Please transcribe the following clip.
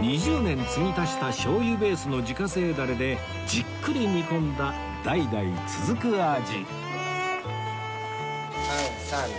２０年つぎ足した醤油ベースの自家製ダレでじっくり煮込んだ代々続く味３３２。